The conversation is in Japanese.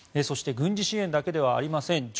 軍事支援だけではありません。